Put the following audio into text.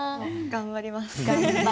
頑張れます。